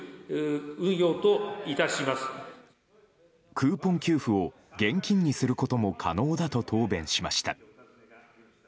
クーポン給付を現金にすることも可能だと答弁しました。